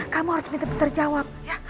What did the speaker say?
kamu harus pinter pinter jawab ya